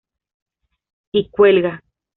Y cuelga.